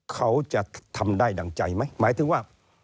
เขาจะทำได้ดั่งใจไหมหมายถึงว่า